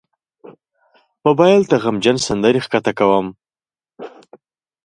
موبایل ته غمجن سندرې ښکته کوم.